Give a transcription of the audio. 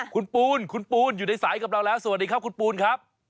คุณปูนคุณปูนอยู่ในสายกับเราแล้วสวัสดีครับคุณปูนครับ